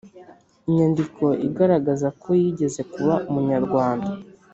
inyandiko igaragaza ko yigeze kuba umunyarwanda